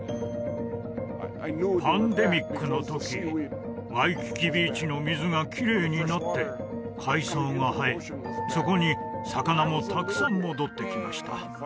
パンデミックの時ワイキキビーチの水がきれいになって海草が生えそこに魚もたくさん戻ってきました